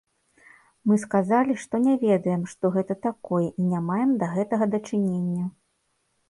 Мы сказалі, што не ведаем што гэта такое і не маем да гэтага дачынення.